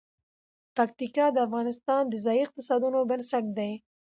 پکتیا د افغانستان د ځایي اقتصادونو بنسټ دی.